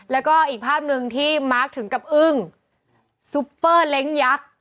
แล้วก็อีกภาพหนึ่งที่มาร์คถึงกับอึ้งซุปเปอร์เล้งยักษ์